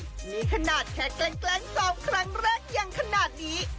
นี่ขนาดแค่แกล้งซ้อมครั้งแรกยังขนาดนี้